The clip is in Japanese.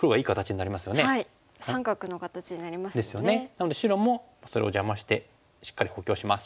なので白もそれを邪魔してしっかり補強します。